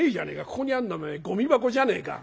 ここにあんのはおめえゴミ箱じゃねえか」。